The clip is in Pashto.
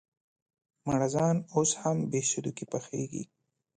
مړزان اوس هم بهسودو کې پخېږي؟